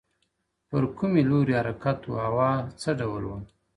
پر کومي لوري حرکت وو حوا څه ډول وه,